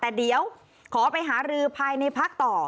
แต่เดี๋ยวขอไปหารือภายในพักต่อ